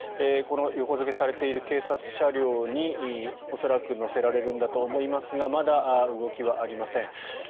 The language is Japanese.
この横付けされている警察車両に恐らく乗せられるのだと思いますがまだ動きはありません。